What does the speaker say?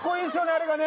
あれがね。